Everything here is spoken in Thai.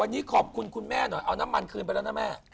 วันนี้ขอบคุณคุณแม่หน่อยเอาน้ำมันคืนไปแล้วนะแม่